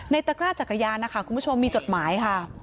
ตะกร้าจักรยานนะคะคุณผู้ชมมีจดหมายค่ะ